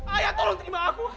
ayah tolong terima aku